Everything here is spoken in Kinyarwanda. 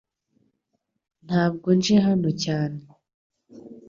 Ntabwo nje hano cyane .